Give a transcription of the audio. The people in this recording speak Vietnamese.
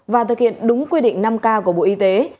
và thực hiện đúng quy định năm k của bộ y tế